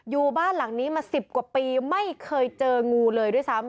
อยู่บ้านหลังนี้มา๑๐กว่าปีไม่เคยเจองูเลยด้วยซ้ำ